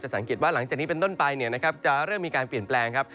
สังเกตว่าหลังจากนี้เป็นต้นไปจะเริ่มมีการเปลี่ยนแปลงครับ